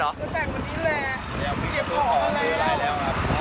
จะแต่งวันนี้แหละเดี๋ยวเก็บของกันแล้ว